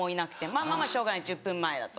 まぁまぁしょうがない１０分前だと。